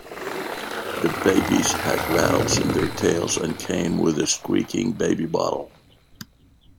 The babies had rattles in their tails and came with a squeaking baby bottle.